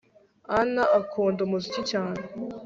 ann akunda umuziki cyane